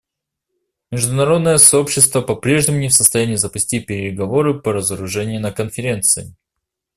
Международное сообщество по-прежнему не в состоянии запустить переговоры по разоружению на Конференции.